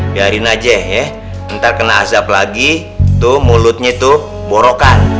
biarin aja ya ntar kena azab lagi tuh mulutnya tuh borokan